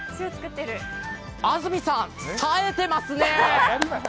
安住さん、さえてますね。